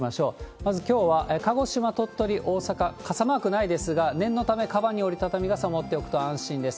まず、きょうは鹿児島、鳥取、大阪、傘マークないですが、念のためかばんに折り畳み傘持っておくと安心です。